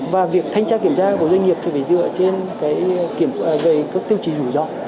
và việc thanh tra kiểm tra của doanh nghiệp thì phải dựa trên các tiêu chí rủi ro